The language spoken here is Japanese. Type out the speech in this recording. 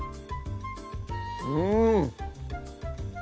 うん！